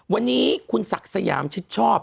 วันนี้คุณศักดิ์สยามชิดชอบ